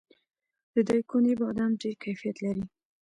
د دایکنډي بادام ډیر کیفیت لري.